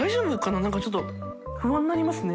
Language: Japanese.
なんかちょっと不安になりますね